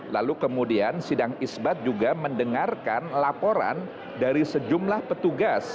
lalu kemudian sidang isbat juga mendengarkan laporan dari sejumlah petugas